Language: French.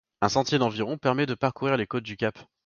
Un sentier d'environ permet de parcourir les côtes du cap.